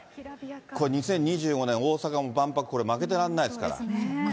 これ、２０２５年、大阪も万博、これ負けてらんないですから。